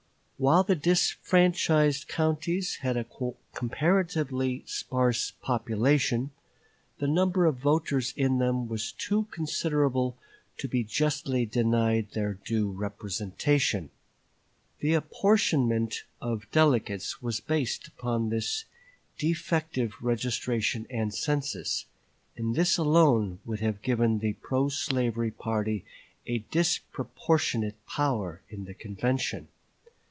While the disfranchised counties had a comparatively sparse population, the number of voters in them was too considerable to be justly denied their due representation. The apportionment of delegates was based upon this defective registration and census, and this alone would have given the pro slavery party a disproportionate power in the convention.